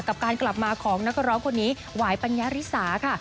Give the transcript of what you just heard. กับการกลับมาของนักร้องคนนี้หวายปัญญาริสาค่ะ